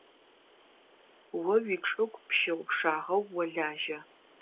О уичӏыгу пщыгъупшагъэу олажьэ.